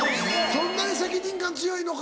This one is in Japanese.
そんなに責任感強いのか。